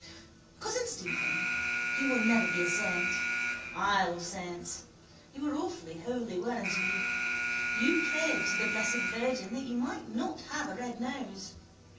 Cousin Stephen, you will never be a saint. Isle of saints. You were awfully holy, weren't you? You prayed to the Blessed Virgin that you might not have a red nose.